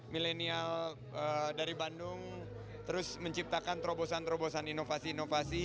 milenial dari bandung terus menciptakan terobosan terobosan inovasi inovasi